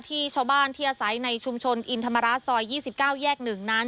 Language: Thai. ที่ชาวบ้านที่อาศัยในชุมชนอินธรรมราชซอย๒๙แยก๑นั้น